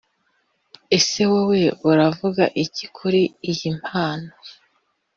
Ese wowe uravuga iki kuri iyi mpano